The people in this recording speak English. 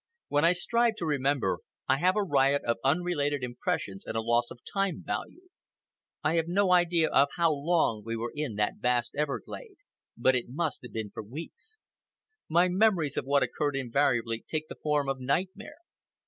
When I strive to remember, I have a riot of unrelated impressions and a loss of time value. I have no idea of how long we were in that vast everglade, but it must have been for weeks. My memories of what occurred invariably take the form of nightmare.